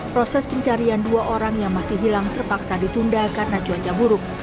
proses pencarian dua orang yang masih hilang terpaksa ditunda karena cuaca buruk